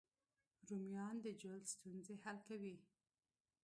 رومیان د جلد ستونزې حل کوي